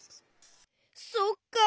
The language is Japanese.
そっか。